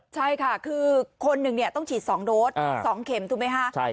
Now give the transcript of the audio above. ใช่ค่ะคือคนหนึ่งต้องฉีด๒โดส๒เข็มถูกไหมคะ